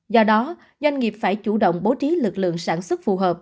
do đó doanh nghiệp phải chủ động bố trí lực lượng sản xuất phù hợp